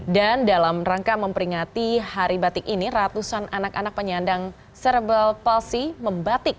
dan dalam rangka memperingati hari batik ini ratusan anak anak penyandang cerebral palsy membatik